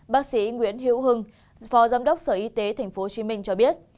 bác sĩ nguyễn hiễu hưng phó giám đốc sở y tế tp hcm cho biết